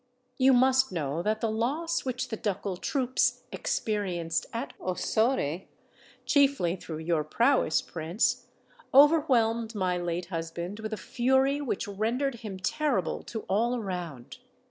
"You must know that the loss which the ducal troops experienced at Ossore—chiefly through your prowess, Prince—overwhelmed my late husband with a fury which rendered him terrible to all around.